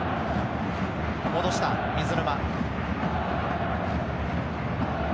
戻した水沼。